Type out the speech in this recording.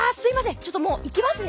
ちょっともう行きますね。